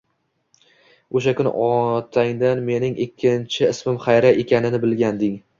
O'sha kun otangdan mening ikkinchn ismim Xayriya ekanini bilganding